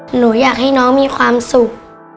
หนูอยากให้น้องมีความสุข